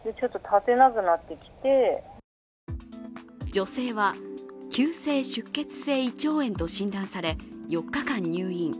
女性は急性出血性胃腸炎と診断され、４日間入院。